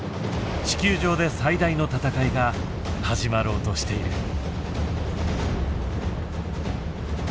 地球上で最大の闘いが始まろうとしている。